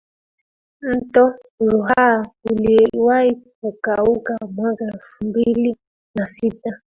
mto ruaha uliwahi kukauka mwaka elfu mbili na sita